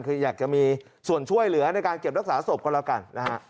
คืออยากจะมีส่วนช่วยเหลือในการเก็บรักษาศพก็แล้วกันนะฮะ